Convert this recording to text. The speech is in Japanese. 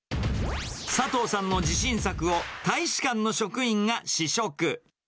佐藤さんの自信作を大使館の職員が試食。